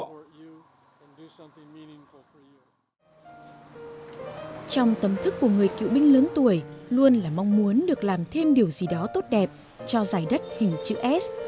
trong tâm thức của người cựu binh lớn tuổi luôn là mong muốn được làm thêm điều gì đó tốt đẹp cho dài đất hình chữ s